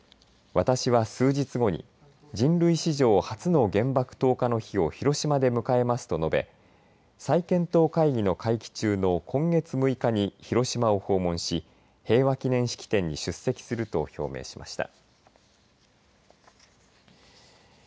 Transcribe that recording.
グテーレス事務総長は会議の冒頭この会議の重要性を強調するために私は、数日後に人類史上初の原爆投下の日を広島で迎えますと述べ再検討会議の会期中の今月６日に広島を訪問し平和記念式典に出席すると表明しました。